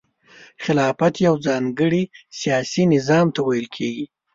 خلافت یو ځانګړي سیاسي نظام ته ویل کیږي.